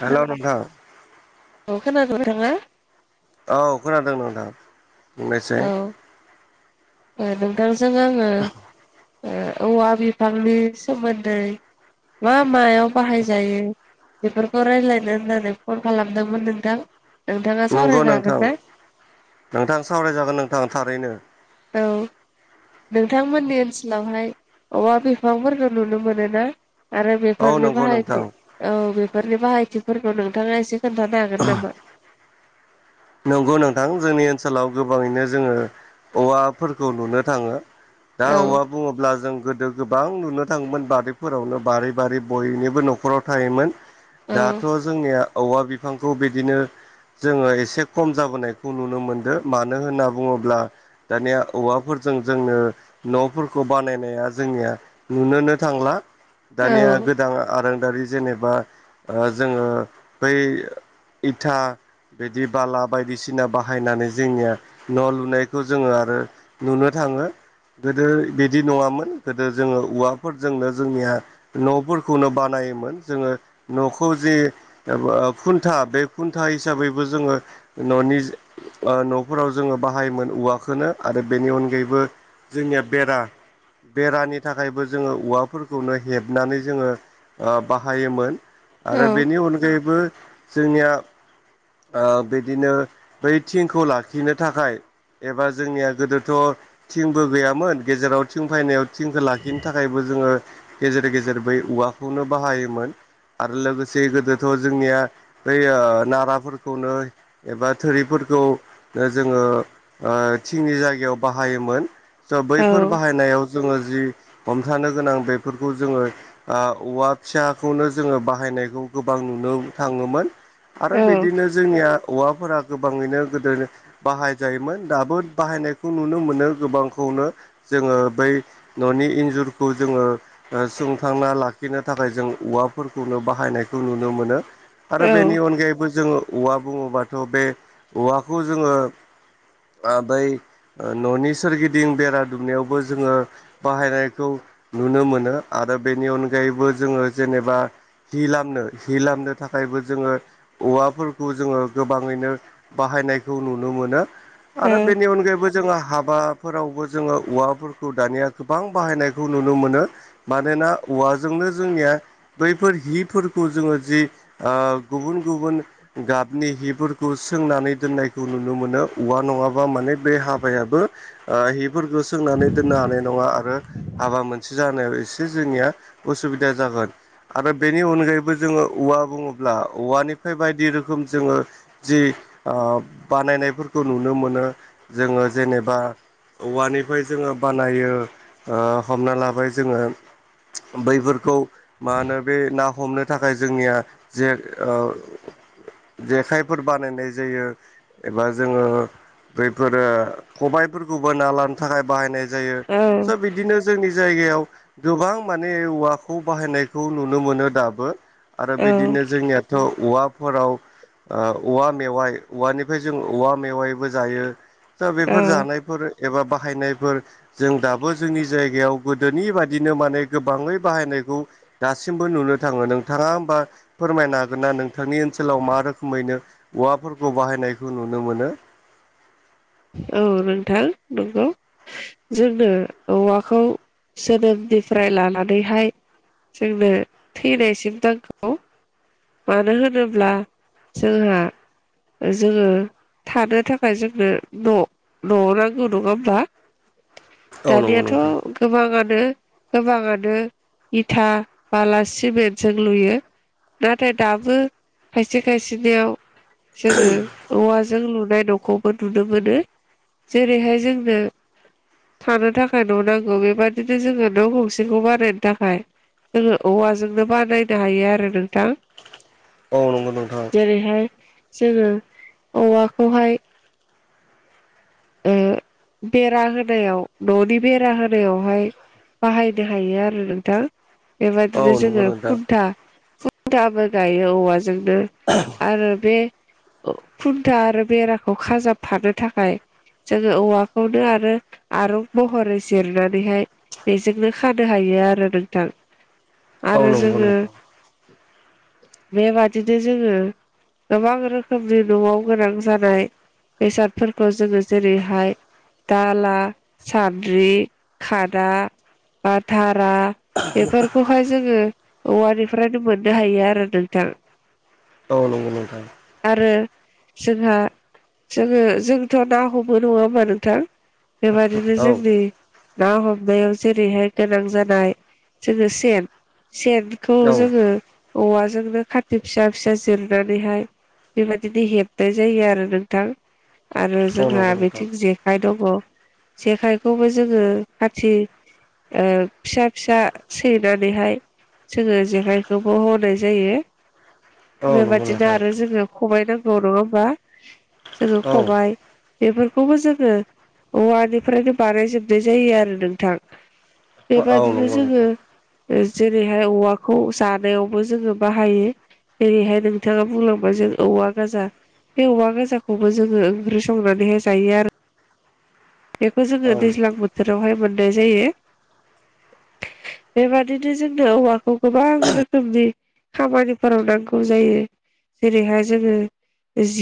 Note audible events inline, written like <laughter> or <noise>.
हेल' नोंथां। औव खोनादों नोंथांङा। औ खोनादों नोंथां? बुंनायजों औ नोंथांजों आंङो। औवा बिफांनि सोमोन्दै मा मायाव बाहायजायो। बेफोरखौ रायज्लायनो होननानै फन खालामदोंमोन नोंथां? नोंथाङा नंगौ सावरायनो हागोन नोंथां ना नोंथां सावरायजागोन नोंथांङा थारैनो। औ। नोंथांमोननि ओनसोलावहाय औवा बिफांफोरखौ नुनो मोनो ना आरो औ बिफोरनि नंगौ नोंथां बाहायथि औ बेफोरनि बाहायथिफोरखो नोंथांङा एसे खोन्थानो हागोन नामा? नंगौ नोंथां जोंनि ओनसोलाव गोबांङैनो जोंङो औवाफोरखौ नुनो थांङो। दा औ औवा बुंङोब्ला जों गोदो गोबां नुनो थांङोमोन बारिैफोरावनो बारि बारि बयनिबो न'खराव थायोमोन। औ दाथ' जोंनिया औवा बिफांखौ बिदिनो जोंङो एसे खम जाबोनायखौ नुनो मोनदों मानो होनना बुंङोब्ला दानिया औवाफोरजों जोंनो न'फोरखौ बानायनाया जोंनिया नुनोनो थांला औ दानिया गोदान आरांदारि जेनेबा ओ जोंङो बै इथा बिदि बाला बायदिसिना बाहायनानै जोंनिया न' लुनायखौ जोंङो आरो नुनो थांङो गोदो बिदि नंङामोन गोदो जोंङो औवाफोरजोंनो जोंनिया न'फोरखौनो बानायोमोन जोंङो न'खौ जि <unintelligible> खुन्था बे खुन्था हिसाबैबो जोंङो न'नि न'फोराव जोंङो बाहायोमोन औवाखौवनो आरो बेनि अनगायैबो जोंनिया बेरा बेरानि थाखायबो जोंङो औवाफोरखौनो हेबनानै जोंङो ओ बाहायोमोन। औ आरो बिनि अनगायैबो जोंनिया ओ बिदिनो बै थिंखौ लाखिनो थाखाय एबा जोंनिया गोदोथ' थिंबो गैयामोन गेजेराव थिं फैनायाव थिंखौ लाखिनो थाखायबो जोङो गेजेर गेजेर बै उवाखौनो बाहायोमोन। आरो लोगोसे गोदोथ' जोंनिया बै ओ नाराफोरखौनो एबा थोरिफोरखौ जोङो ओ थिंनि जायगायाव बाहायोमोन। स' बैफोर औ बाहायनायाव जोङो जि हमथानो गोनां बेफोरखौ जोङो ओ औवा फिसाखौनो जोङो बाहायनायखौ गोबां नुनो थाङोमोन। आरो बेदिनो जोंनिया वाफोरा गोबाङैनो गोदो बाहाय जायोमोन दाबो बाहायनाय खौ नुनो मोनो गोबांखौनो जोङो बै न'नि इन्जुरखौ जोङो ओ सुंथांना लाखिनो थाखाय जों औवाफोरखौनो बाहायनायखौ नुनो मोनो। आरो औ बेनि अनगायैबो जोङो औवा बुङोबाथ' बे औवाखौ जोङो बै ओ न'नि सोरगिदिं बेरा दुमनायावबो जोङो बाहायनायखौ नुनो मोनो आरो बेनि अनगायैबो जोङो जेनेबा हि लामनो हि लामनो थाखायबो जोङो औवाफोरखौ जोङो गोबाङैनो बाहायनायखौ नुनो मोनो आरो बेनि अनगायैबो जोङो हाबा फोरावबो जोङो औवाफोरखौ दानिया गोबां बाहायनायखौ नुनो मोनो। मानोना औवाजोंनो जोंनिया बैफोर हिफोरखौ जोङो जि ओ गुबुन गुबुन गाब नि हिफोरखौ सोंनानै दोननायखौ नुनो मोनो, औवा नङाबा माने बे हाबायाबो ओ हिफोरखो सोंनानै दोननो हानाय नङा आरो हाबा मोनसे जानायाव एसे जोंनिया उसुबिदा जागोन। आरो बेनि अनगायैबो जोङो औवा बुङोब्ला औवानिफाय बायदि रोखोम जोङो जि ओ बानायनायफोरखो नुनो मोनो। जोङो जेनेबा औवानिफाय जोङो बानायो, ओ हमना लाबाय जोङो बैफोरखौ मा होनो बे ना हमनो थाखाय जोंनिया जे ओ जेखाइफोर बानायनाय जायो। एबा जोङो बैफोरो खबायफोरखौबो ना लानो थाखाय बाहायनाय जायो। औ स बिदिनो जोंनि जायगायाव गोबां माने औवाखौ बाहायनायखौ नुनो मोनो दाबो। आरो बिदिनो औ जोंनियाथ' औवाफोराव औवा मेवाइ औवानिफ्राय जों औवा मेवाइबो जायो। दा बेफोर औ जानायफोर एबा बाहायनायफोर जों दाबो जोंनि जायगायाव गोदोनि बायदिनो माने गोबाङै बाहायनायखौ दासिमबो नुनो थाङो। नोंथाङा होमबा फोरमायनो हागोन ना नोंथांनि ओनसोलाव मा रो खोमैनो औवाफोरखौ बाहायनायखौ नुनो मोनो? औ नोंथां नंगौ। जोंनो औवाखौ जोनोमनिफ्राय लानानैहाय जोंनो थैनायसिम नांगौ। मानो होनोब्ला जोंहा जोङो थानो थाखाय जोंनो न' न' नांगौ नङा होमब्ला? औ नंगौ दानियाथ' नोंथां गोबाङानो गोबाङानो इथा बाला सिमेन्टजों लुयो। नाथाय दाबो खायसे खायसेनियाव जोङो औवाजों लुनाय न'खौबो नुनो मोनो जेरैहाय जोंनो थानो थाखाय न' नांगौ बेबादिनो जोङो न' गंसेखौ बानायनो थाखाय जोङो औवाजोंनो बानायनो हायो आरो नोंथां। औ नंगौ नोंथां। जेरैहाय जोङो औवाखौहाय ओ बेरा होनायाव न'नि बेरा होनायावहाय बाहायनो हायो आरो नोंथां औ बेबायाददिनो नंगौ जोङो नोंथां खुन्था खुन्थाबो गायो औवाजोंनो आरो बे खुन्था आरो बेराखौ खाजाबफानो थाखाय जोङो औवाखौनो आरो आरुं महरै जिरनानैहाय बेजोंनो खानो हायो आरो नोंथां औ आरो नंगौ जोङो नोंथां बेबादिनो जोङो गोबां रोखोमनि न'आव गोनां जानाय बेसादफोरखौ जोङो जेरैहाय दाला सान्द्रि खादा धारा बेफोरखौहाय जोङो औवानिफ्रायनो मोननो हायो आरो नोंथां। औ नंगौ नोंथां। आरो जोंहा जोङो जोंथ' ना हमो नङा होमबा नोंथां? बेबादिनो औ जोंनि ना हमनायाव जेरैहाय गोनां जानाय जोङो सेन सेनखौ औ जोङो औवाजोंनो खाथि फिसा फिसा जिरनानैहाय बेबायदिनो हेबनाय जायो आरो नोंथां। आरो जोंहा नंगौ नोंथां बिथिं जेखाइ दङ जेखाइखौबो जोङो खाथि फिसा फिसा सैनानैहाय जोङो जेखाइखौबो होनाय जायो। औ नंगौ बेबादिनो नोंथां आरो जोङो खबाइ नांगौ नङा होमबा जोङो औ खबाइ बेफोरखौबो जोङो औवानिफ्रायनो बानायजोबनाय जायो आरो नोंथां। औ बेबादिनो नंगौ जोङो नोंथां जेरैहाय औवाखौ जानायावबो जोङो बाहायो जेरैहाय नोंथाङा बुंलांबाय जों औवा गाजा बे औवा गाजाखौबो जों जोङो ओंख्रि संनानैहाय जायो आरो बेखौ जोङो औ दैज्लां बोथोरावहाय मोननाय जायो। बेबादिनो जोंनो औवाखौ गोबां रोखोमनि खामानिफोराव नांगौ जायो जेरैहाय जोङो जि